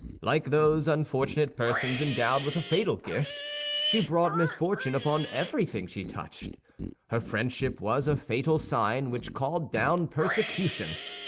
Like those unfortunate persons endowed with a fatal gift, she brought misfortune upon everything she touched. Her friendship was a fatal sign which called down persecution.